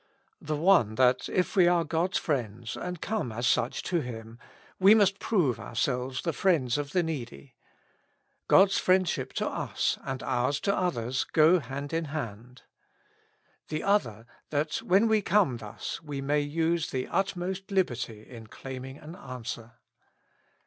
The one, that if we are God's friends, and come as such to Him, we must prove ourselves the friends of the needy ; God's friendship to us and ours to others go hand in hand. The other, that when we come thus we may use the utmost liberty in claiming an answer.